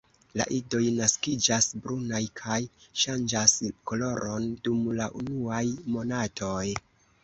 La idoj naskiĝas brunaj kaj ŝanĝas koloron dum la unuaj monatoj.